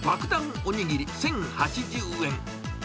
お握り１０８０円。